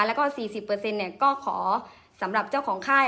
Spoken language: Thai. แล้วก็สี่สิบเปอร์เซ็นต์เนี้ยก็ขอสำหรับเจ้าของค่าย